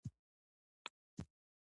ځینې کارونه په خپله کېږي.